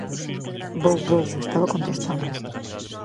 Vou, vou, estaba contestando.